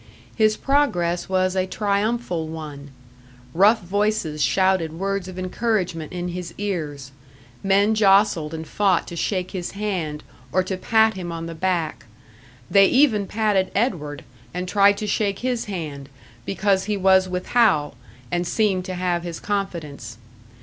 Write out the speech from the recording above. His progress was a triumphal one; rough voices shouted words of encouragement in his ears, men jostled and fought to shake his hand or to pat him on the back; they even patted Edward and tried to shake his hand, because he was with Hal, and seemed to have his confidence.